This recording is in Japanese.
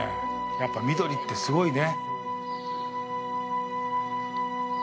やっぱ、緑ってすごいね。